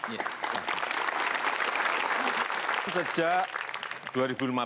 ya terima kasih